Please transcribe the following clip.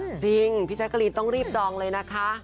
จริงพี่แจ๊กกะรีนต้องรีบดองเลยนะคะ